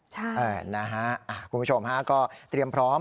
ใช่นะฮะคุณผู้ชมฮะก็เตรียมพร้อม